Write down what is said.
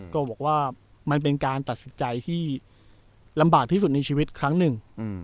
ก็บอกว่ามันเป็นการตัดสินใจที่ลำบากที่สุดในชีวิตครั้งหนึ่ง